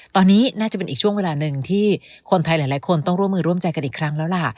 ตอนนี้น่าจะเป็นอีกช่วงเวลาหนึ่งที่คนไทยหลายคนต้องร่วมมือร่วมใจกันอีกครั้งแล้วล่ะ